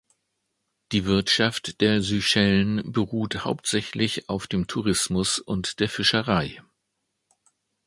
Die Wirtschaft der Seychellen beruht hauptsächlich auf dem Tourismus und der Fischerei.